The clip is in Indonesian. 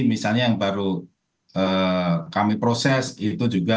misalnya yang baru kami proses itu juga